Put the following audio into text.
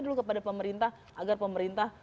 dulu kepada pemerintah agar pemerintah